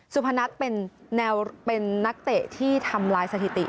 สุพนัทเป็นนักเตะที่ทำลายสถิติ